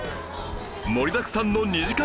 盛りだくさんの２時間